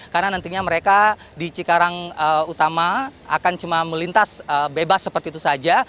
karena nantinya mereka di cikarang utama akan cuma melintas bebas seperti itu saja